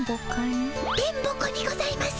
電ボ子にございます。